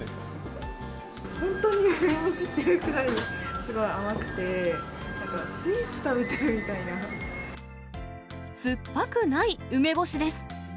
本当に梅干し？っていうぐらいすごい甘くて、なんかスイーツ酸っぱくない梅干しです。